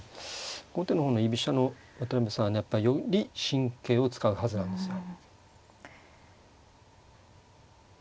後手の方の居飛車の渡辺さんはやっぱより神経を使うはずなんですよ。